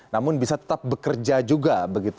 namun bisa tetap bekerja juga